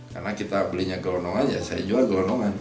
karena kita belinya gelonongan ya saya jual gelonongan